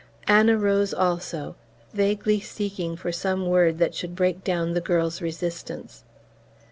Anna rose also, vaguely seeking for some word that should break down the girl's resistance.